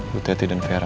bu teti dan vera